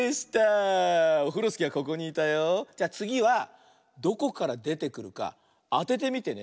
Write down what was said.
じゃあつぎはどこからでてくるかあててみてね。